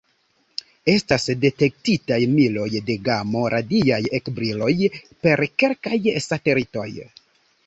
Estas detektitaj miloj de gamo-radiaj ekbriloj per kelkaj satelitoj.